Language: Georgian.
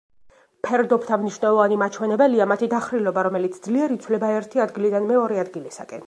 ფერდობთა მნიშვნელოვანი მაჩვენებელია მათი დახრილობა, რომელიც ძლიერ იცვლება ერთი ადგილიდან მეორე ადგილისაკენ.